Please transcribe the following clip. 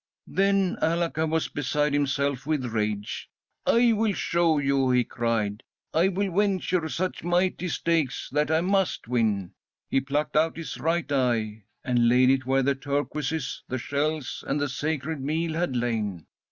"Then Alaka was beside himself with rage. 'I will show you,' he cried. 'I will venture such mighty stakes that I must win.' He plucked out his right eye and laid it where the turquoises, the shells, and the sacred meal had lain.